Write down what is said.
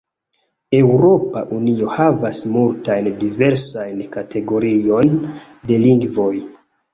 Eŭropa Unio havas multajn diversajn kategoriojn de lingvoj.